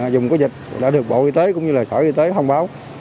dùng có dịch đã được bộ y tế cũng như sở y tế thông báo